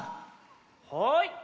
はい！